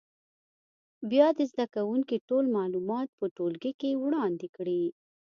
بیا دې زده کوونکي ټول معلومات په ټولګي کې وړاندې کړي.